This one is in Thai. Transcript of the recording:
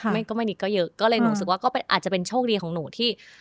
ก็ไม่นิดก็เยอะก็เลยหนูรู้สึกว่าก็อาจจะเป็นโชคดีของหนูที่